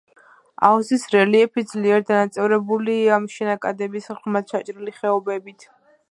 აუზის რელიეფი ძლიერ დანაწევრებულია შენაკადების ღრმად ჩაჭრილი ხეობებით.